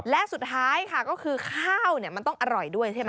และสุดท้ายค่ะก็คือข้าวมันต้องอร่อยด้วยใช่ไหม